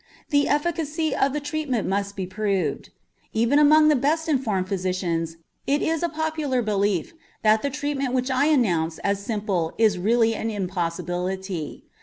The efficacy of the treatment must be proved. Even among the best informed physicians it is a popular belief that the treatment which I announce as simple is really an impossibility.